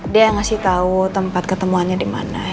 dia yang ngasih tau tempat ketemuannya dimana